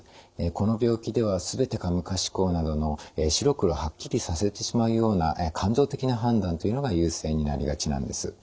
この病気では「すべてか無か思考」などの白黒はっきりさせてしまうような感情的な判断というのが優勢になりがちなんです。